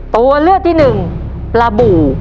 ตัวเลือกที่หนึ่งปลาบู่